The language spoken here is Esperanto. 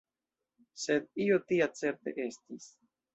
Sed io tia certe estis.